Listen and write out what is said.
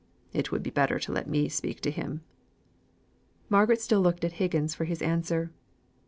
"It would be better to let me speak to him." Margaret still looked at Higgins for his answer.